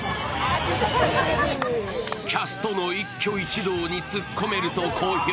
キャストの一挙一動に突っ込めると好評。